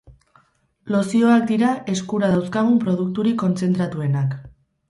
Lozioak dira eskura dauzkagun produkturik kontzentratuenak.